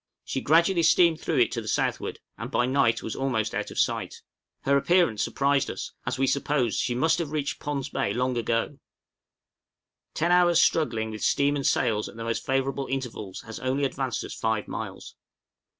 She gradually steamed through it to the southward, and by night was almost out of sight. Her appearance surprised us, as we supposed she must have reached Pond's Bay long ago. Ten hours' struggling with steam and sails at the most favorable intervals has only advanced us five miles.